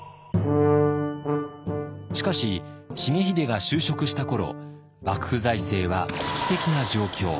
しかし重秀が就職した頃幕府財政は危機的な状況。